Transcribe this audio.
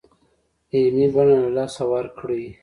علمي بڼه له لاسه ورکړې.